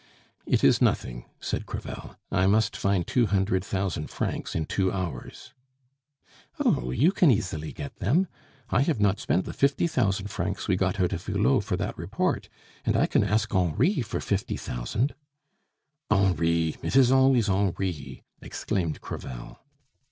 "It is nothing," said Crevel. "I must find two hundred thousand francs in two hours." "Oh, you can easily get them. I have not spent the fifty thousand francs we got out of Hulot for that report, and I can ask Henri for fifty thousand " "Henri it is always Henri!" exclaimed Crevel.